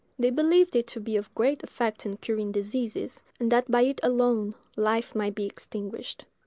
They believed it to be of great effect in curing diseases, and that by it alone life might be extinguished.